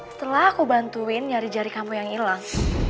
setelah aku bantuin nyari jari kamu yang ilas